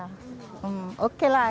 hai sama malaysia tak ada macamnya ya